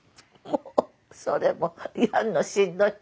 もうそれもやんのしんどい。